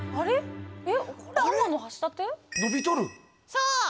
そう！